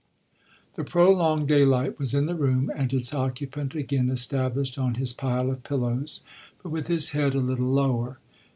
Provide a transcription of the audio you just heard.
The prolonged daylight was in the room and its occupant again established on his pile of pillows, but with his head a little lower.